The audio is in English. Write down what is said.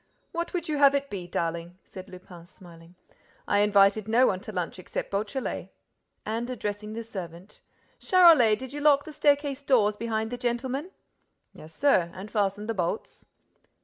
"What would you have it be, darling?" said Lupin, smiling. "I invited no one to lunch except Beautrelet." And, addressing the servant, "Charolais, did you lock the staircase doors behind the gentleman?" "Yes, sir, and fastened the bolts."